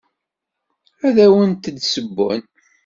Ad awent-d-ssewwen.